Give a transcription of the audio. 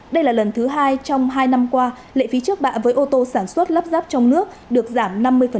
đây là lần thứ hai trong hai năm qua lệ phí trước bạ với ô tô sản xuất lắp ráp trong nước được giảm năm mươi